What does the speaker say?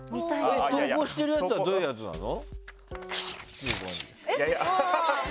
投稿してるやつはどういうやつなの？